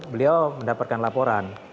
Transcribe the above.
beliau mendapatkan laporan